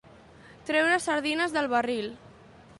Treure sardines del barril.